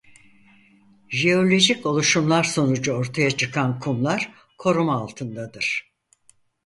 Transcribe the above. Jeolojik oluşumlar sonucu ortaya çıkan kumlar koruma altındadır.